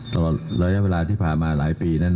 ตลอดระยะเวลาที่ผ่านมาหลายปีนั้น